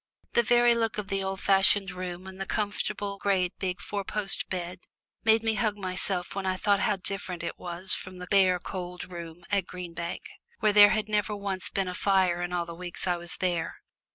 The very look of the old fashioned room and the comfortable great big four post bed made me hug myself when I thought how different it all was from the bare cold room at Green Bank, where there had never once been a fire all the weeks I was there.